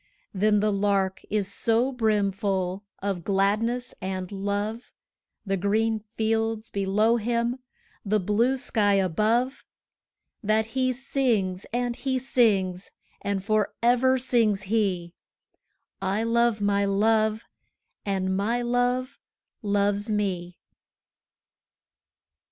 But the Lark is so brimful of gladness and love, The green fields below him, the blue sky above, That he sings, and he sings; and for ever sings he 'I love my Love, and my Love loves me!'